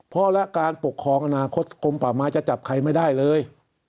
เพราะและการปกครองอนาคตกลมป่าไม้จะจับใครไม่ได้เลย